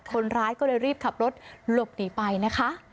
คนร้ายก็เลยรีบขับรถหลบหนีไปนะคะ